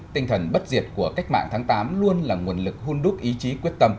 tinh thần bất diệt của cách mạng tháng tám luôn là nguồn lực hôn đúc ý chí quyết tâm